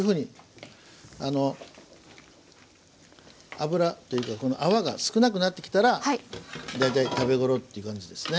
油というかこの泡が少なくなってきたら大体食べ頃っていう感じですね。